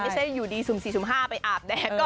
ไม่ใช่อยู่ดีสุ่มสี่สุ่มห้าไปอาบแดบ